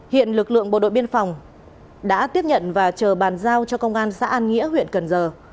hiện lực lượng bộ đội biên phòng đã tiếp nhận và chờ bàn giao cho công an xã an nghĩa huyện cần giờ